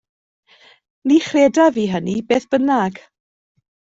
Ni chredaf fi hynny, beth bynnag.